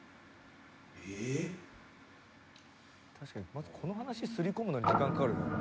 「確かにまずこの話すり込むのに時間かかる」